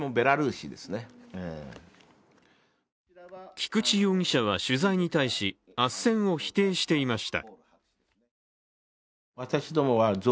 菊池容疑者は取材に対しあっせんを否定していました。